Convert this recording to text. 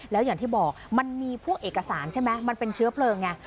แล้วอย่างที่บอกมันมีพวกเอกสารใช่ไหมมันเป็นเชื้อเพลิงไง